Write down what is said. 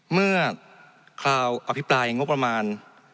เมื่อคราวอภิปรายงบประมาณ